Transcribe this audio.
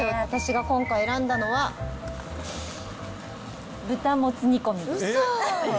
私が今回選んだのは、豚もつ煮込みです。